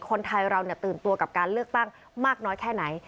คนไทยเราตื่นตัวกับการเลือกตั้งมากน้อยแค่ไหน